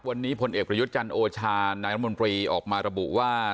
วันนี้พลเอกประยุทธ์จันทร์โอชานายรัฐมนตรีออกมาระบุว่า